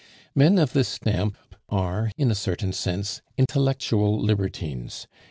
Men of this stamp are, in a certain sense, intellectual libertines.